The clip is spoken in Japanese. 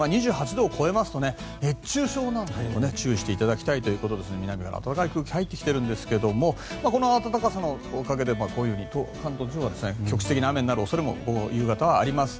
２８度を超えますと熱中症にも注意していただきたいということで南から暖かい空気が入ってきているんですがこの暖かさのおかげでこういうふうに関東地方は局地的な雨になる恐れも夕方はあります。